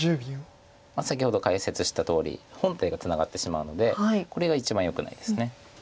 先ほど解説したとおり本体がツナがってしまうのでこれが一番よくないです。